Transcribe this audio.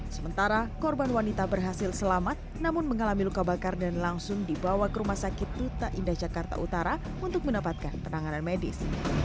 sementara korban wanita berhasil selamat namun mengalami luka bakar dan langsung dibawa ke rumah sakit ruta indah jakarta utara untuk mendapatkan penanganan medis